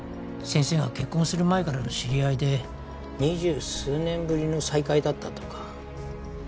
先生が結婚する前からの知り合いで二十数年ぶりの再会だったとか。